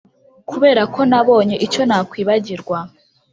kuberako nabonye icyo nakwibagirwa. "